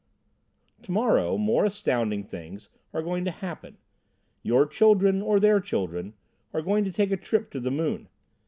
To morrow, more astounding things are going to happen. Your children or their children are going to take a trip to the moon.